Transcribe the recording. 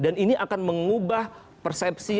dan ini akan mengubah persepsi